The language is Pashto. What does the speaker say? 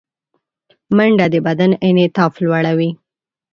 منډه د بدن انعطاف لوړوي